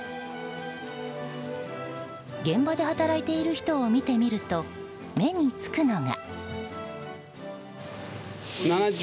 現場で働いている人を見てみると目につくのが。